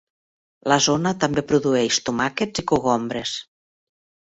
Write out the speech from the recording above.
La zona també produeix tomàquets i cogombres.